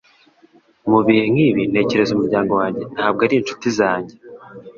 Mu bihe nk'ibi, ntekereza umuryango wanjye, ntabwo ari inshuti zanjye.